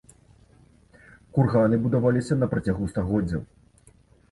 Курганы будаваліся на працягу стагоддзяў.